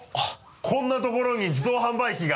こんな所に自動販売機が。